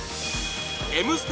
「Ｍステ」